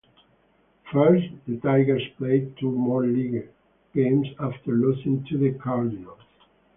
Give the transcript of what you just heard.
First, the Tigers played two more league games after losing to the Cardinals.